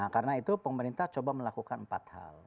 karena itu pemerintah coba melakukan empat hal